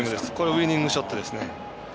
ウイニングショットですね。